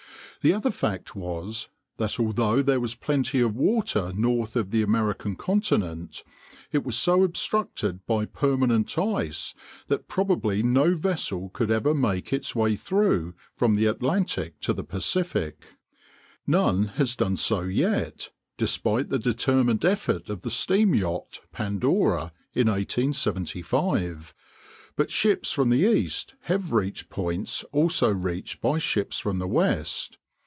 The other fact was, that although there was plenty of water north of the American continent, it was so obstructed by permanent ice that probably no vessel could ever make its way through from the Atlantic to the Pacific; none has done so yet, despite the determined effort of the steam yacht Pandora in 1875, but ships from the east have reached points also reached by ships from the west.